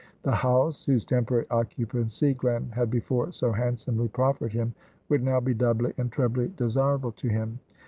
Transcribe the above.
The house, whose temporary occupancy Glen had before so handsomely proffered him, would now be doubly and trebly desirable to him.